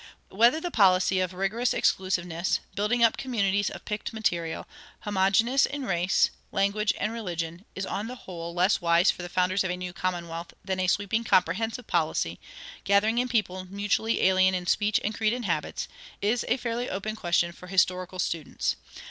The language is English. Whether the policy of rigorous exclusiveness, building up communities of picked material, homogeneous in race, language, and religion, is on the whole less wise for the founders of a new commonwealth than a sweepingly comprehensive policy, gathering in people mutually alien in speech and creed and habits, is a fairly open question for historical students.